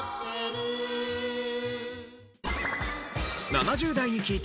７０代に聞いた！